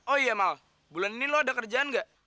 oh iya mal bulan ini lo ada kerjaan nggak